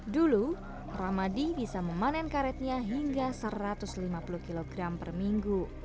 dulu ramadi bisa memanen karetnya hingga satu ratus lima puluh kg per minggu